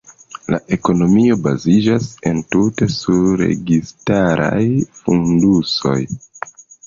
La ekonomio baziĝas entute sur registaraj fondusoj.